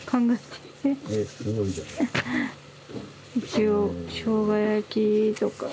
一応しょうが焼きとか。